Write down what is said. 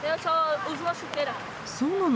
そうなの。